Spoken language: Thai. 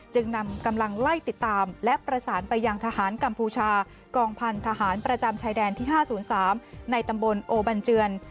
จึงนำกำลังไล่ติดตามและประสานไปยังทหารกัมพูชากองพันธหารประจำชายแดนที่๕๐๓ในตำบลโอบันเจือน